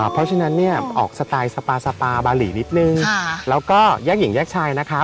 เพราะฉะนั้นเนี่ยออกสไตล์สปาสปาบาหลีนิดนึงแล้วก็แยกหญิงแยกชายนะคะ